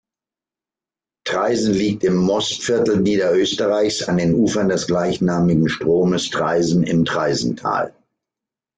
Traisen liegt im Mostviertel Niederösterreichs an den Ufern des gleichnamigen Stromes Traisen im Traisental.